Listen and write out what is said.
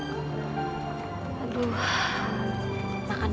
kamu tinggal dimana sekarang